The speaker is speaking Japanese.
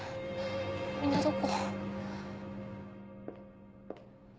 みんなどこ？